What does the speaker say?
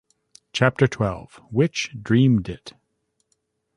Chapter Twelve - Which dreamed it?